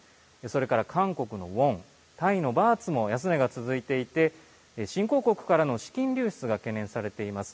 それから韓国のウォンタイのバーツも安値が続いていて新興国からの資金流出が懸念されています。